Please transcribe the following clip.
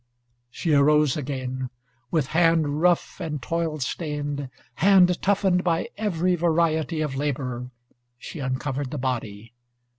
She arose again. With hand rough and toil stained, hand toughened by every variety of labor, she uncovered the body.